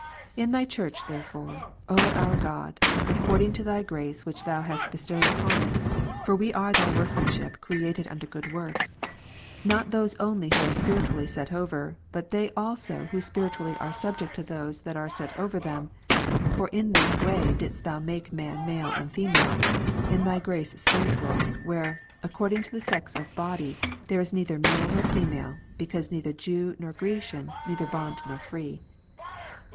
In Thy Church therefore, O our God, according to Thy grace which Thou hast bestowed Eph. 2, upon it, {for we are Thy ivorkmanship created unto good ivorks,) not those only who are spiritually set over, but they also who spiritually are subject to those that are set over (len. 1, them, — (for in this way didst Thou make man male and female, in Thy grace spiritual, where, according to the Gal. 3, sex of body, there is neither male nor female, because ''^'^ neither Jew nor Grecian, neither bond nor free.)